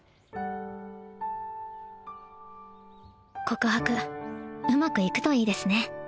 告白うまくいくといいですね